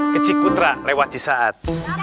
kecik kutra lewat jisaat